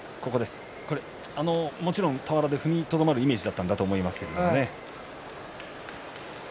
もちろん俵で踏みとどまるイメージだったと思いますが。